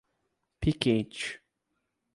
Piquete